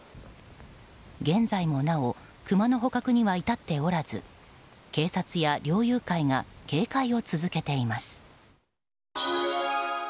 現在もなお、クマの捕獲には至っておらず警察や猟友会が警戒を続けています。